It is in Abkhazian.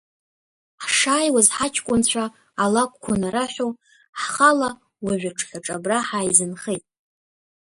Ҳшааиуаз ҳаҷкәынцәа алакәқәа нараҳәо, ҳхала уажә аҽҳәаҿ абра ҳааизынхеит.